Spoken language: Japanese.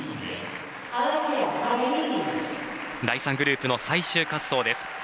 第３グループの最終滑走です。